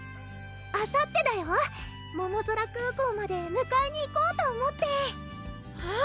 あさってだよももぞら空港までむかえに行こうと思ってえっ！